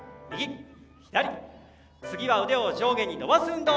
腕を上下に伸ばす運動。